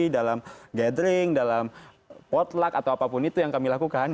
dalam gathering dalam potluck atau apapun itu yang kami lakukan